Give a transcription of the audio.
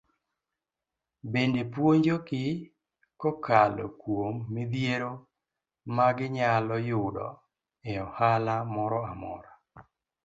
Bende puonjo gi kokalo kuom midhiero magi nyalo yudo e ohala moro amora.